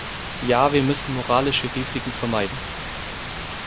Ja, wir müssen moralische Risiken vermeiden.